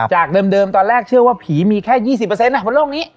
จากเดิมตอนแรกเชื่อว่าผีมีแค่๒๐บนโลกนี้